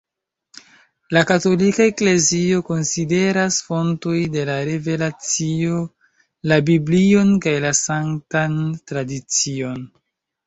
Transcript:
La katolika Eklezio konsideras fontoj de la revelacio la Biblion kaj la Sanktan Tradicion.